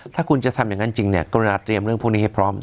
ถ้าคุณจะทำอย่างนั้นจริงเนี่ยกรุณาเตรียมเรื่องพวกนี้ให้พร้อม